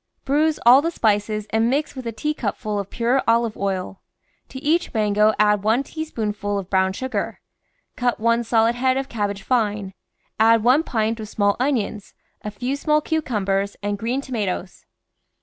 Bruise all the spices and mix with a teacupful of pure olive oil. To each mango add one teaspoonf ul of brown sugar ; cut one solid head of cabbage fine, add one pint of small onions, a few small cucumbers, and green tomatoes.